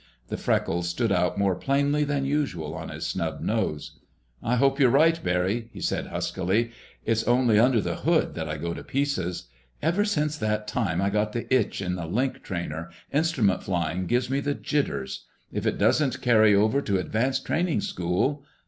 The freckles stood out more plainly than usual on his snub nose. "I hope you're right, Barry," he said huskily. "It's only 'under the hood' that I go to pieces. Ever since that time I got the itch in the Link Trainer, instrument flying gives me the jitters. If it doesn't carry over to advanced training school...."